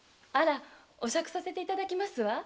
お酌させていただきますわ。